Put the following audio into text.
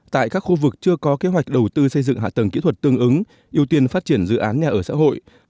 tại các khu vực chưa có kế hoạch đầu tư xây dựng hạ tầng kỹ thuật tương ứng ưu tiên phát triển dự án nhà ở xã hội